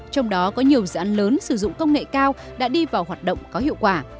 trong đó có nhiều dự án lớn sử dụng công nghệ cao đã đi vào hoạt động có hiệu quả